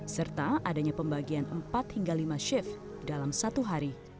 serta adanya pembagian empat hingga lima shift dalam satu hari